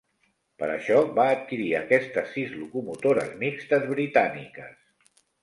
Per això, va adquirir aquestes sis locomotores mixtes britàniques.